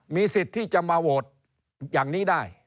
มีสิทธิ์ที่จะมาโหวตอย่างนี้ได้